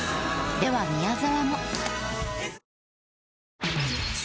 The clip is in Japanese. では宮沢も。